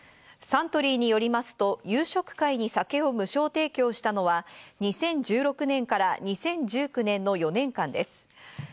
サントリーによりますと夕食会に酒を無償提供したのは、２０１６年から２０１９年の４年間です。